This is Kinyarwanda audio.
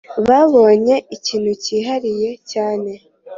babonye ikintu cyihariye cyane